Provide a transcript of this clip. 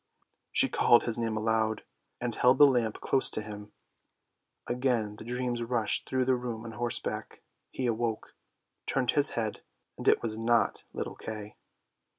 She called his name aloud, and held the lamp close to him.. 204 ANDERSEN'S FAIRY TALES Again the dreams rushed through the room on horseback — he awoke, turned his head — and it was not little Kay.